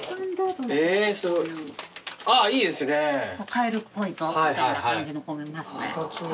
カエルっぽいみたいな感じの子もいますね。